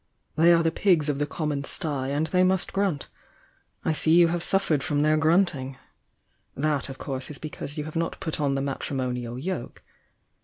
"They are the pigs of the common stye, and they must grunt. I see you have suffered from their grunting! That, of course, ia because you have not put on the matrimonial yoke.